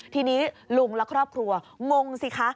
ทีนี้ลุงและครอบครัวงงสิคะ